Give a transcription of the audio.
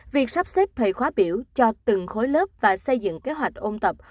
việc sắp xếp thầy khóa biểu cho từng khối lớp và xây dựng kế hoạch ôn tập